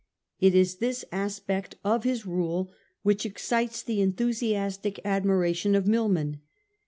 It is this aspect of his rule which excites the enthusiastic admiration of Milman.